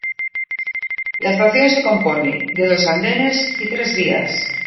La estación se compone de dos andenes y de tres vías.